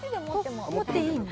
持っていいの？